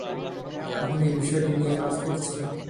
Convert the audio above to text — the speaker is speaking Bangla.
এখন এই বিষয়টি নিয়ে কাজ করছি।